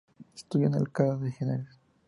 Estudió en Alcalá de Henares.